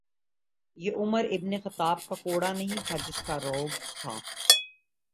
یہ Umar ibn Khattab کا کوڑا نہیں تھا جس کا رعب تھا۔